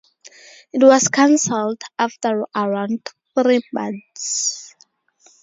It was cancelled after around three months.